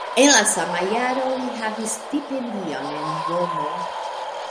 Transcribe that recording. En la sama jaro li havis stipendion en Romo.